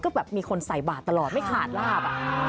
ก็แบบมีคนใส่บาทตลอดไม่ขาดลาบ